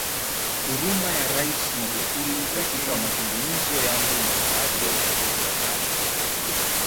huruma ya Rais Magufuli ya Katika mazungumzo yangu na baadhi ya viongozi wa Chama